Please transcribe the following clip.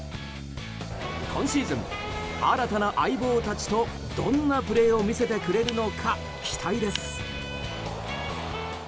今シーズン、新たな相棒たちとどんなプレーを見せてくれるのか期待です。